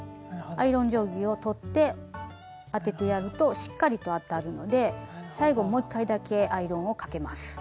アイロン定規を取って当ててやるとしっかりと当たるので最後もう一回だけアイロンをかけます。